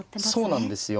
そうなんですよ。